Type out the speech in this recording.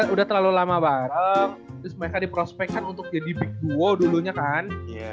udah terlalu lama bareng terus mereka diprospek kan untuk jadi big duo dulunya kan